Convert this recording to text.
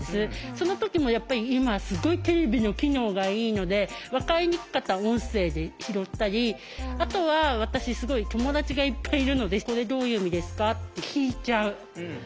そのときもやっぱり今すごいテレビの機能がいいのでわかりにくかったら音声で拾ったりあとは私すごい友達がいっぱいいるので「これどういう意味ですか？」って聞いちゃう。